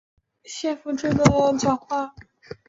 谢富治代表北京市革命委员会讲话。